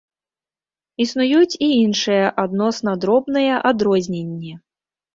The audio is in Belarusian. Існуюць і іншыя адносна дробныя адрозненні.